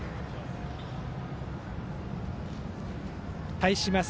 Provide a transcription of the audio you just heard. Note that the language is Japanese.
対します